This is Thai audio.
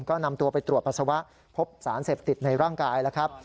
ก็นำตัวไปตรวจปัสสาวะพบสารเสพติดในร่างกายแล้วครับ